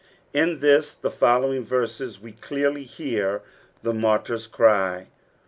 In this and following verses we clearly hear the martyr's cry.